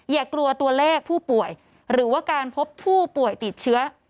อย่ากลัวตัวเลขผู้ป่วยหรือว่าการพบผู้ป่วยติดเชื้อ